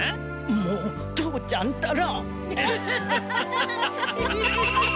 もう父ちゃんったら。